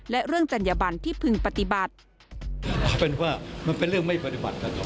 และเรื่องจัญญบันที่พึงปฏิบัติ